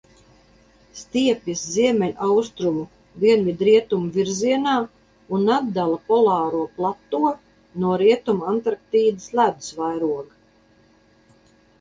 Stiepjas ziemeļaustrumu–dienvidrietumu virzienā un atdala Polāro plato no Rietumantarktīdas ledus vairoga.